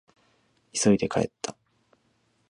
急いで帰った。